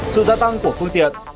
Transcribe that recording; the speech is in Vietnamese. sự gia tăng của phương tiện